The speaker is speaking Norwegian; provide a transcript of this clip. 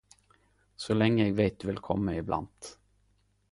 Så lenge eg veit du vil kome i blant